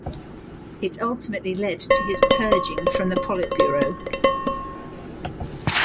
It ultimately led to his purging from the Politburo.